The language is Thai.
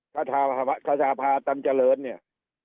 กษภาตันเจริญเนี่ย